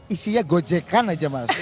isinya gojekan aja mas